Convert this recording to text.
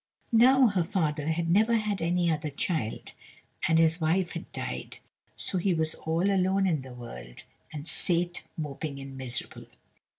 Now her father had never had any other child, and his wife had died; so he was all alone in the world and sate moping and miserable.